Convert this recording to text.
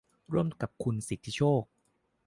ร่วมกับคุณสิทธิโชค